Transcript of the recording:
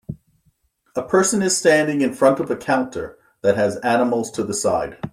A person is standing in front of a counter, that has animals to the side.